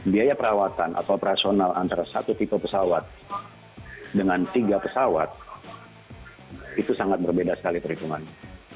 biaya perawatan atau operasional antara satu tipe pesawat dengan tiga pesawat itu sangat berbeda sekali perhitungannya